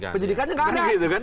penyidikannya nggak ada